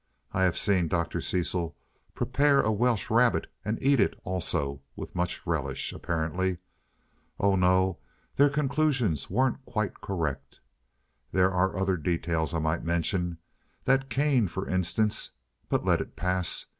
I have seen Dr. Cecil prepare a welsh rabbit and eat it, also, with much relish, apparently. Oh, no, their conclusions weren't quite correct. There are other details I might mention that cane, for instance but let it pass.